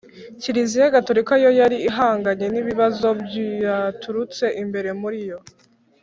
kiliziya gatolika yo yari ihanganye n’ibibazo byaturutse imbere muri yo,